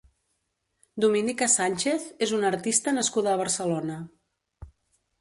Dominica Sánchez és una artista nascuda a Barcelona.